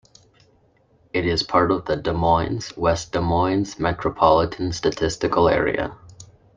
It is part of the Des Moines - West Des Moines Metropolitan Statistical Area.